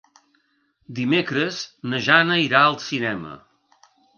Dimecres na Jana irà al cinema.